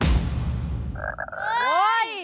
เฮ้ย